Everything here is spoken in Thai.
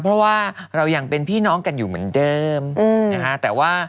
เพราะว่าเรายังเป็นพี่น้องกันอยู่เหมือนเดิมนะฮะแต่ว่า